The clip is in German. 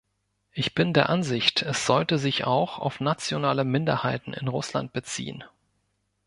Ich bin der Ansicht, es sollte sich auch auf nationale Minderheiten in Russland beziehen.